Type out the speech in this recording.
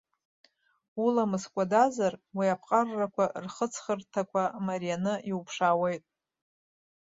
Уламыс кәадазар, уи аԥҟаррақәа рхыҵхырҭақәа марианы иуԥшаауеит.